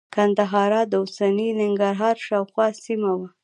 ګندهارا د اوسني ننګرهار شاوخوا سیمه وه